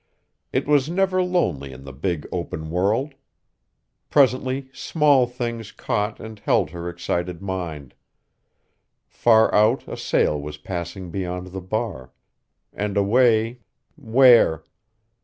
It was never lonely in the big open world! Presently small things caught and held her excited mind. Far out a sail was passing beyond the bar, and away where?